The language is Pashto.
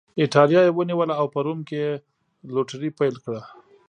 اېټالیا یې ونیوله او په روم کې یې لوټري پیل کړه